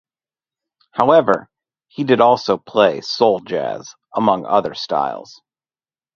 However, he did also play soul jazz, among other styles.